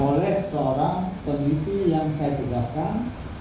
oleh seorang peneliti yang saya tugaskan